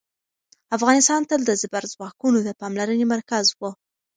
افغانستان تل د زبرځواکونو د پاملرنې مرکز و.